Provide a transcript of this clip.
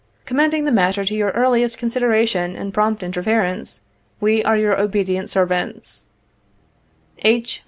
'' Commending the matter to your earliest consideration and prompt interference, we are your obedient servants, H.